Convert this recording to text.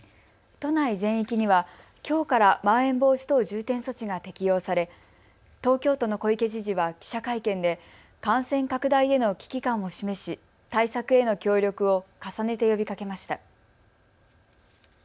都内全域にはきょうからまん延防止等重点措置が適用され、東京都の小池知事は記者会見で感染拡大への危機感を示し、対策への協力を重ねて呼びかけました。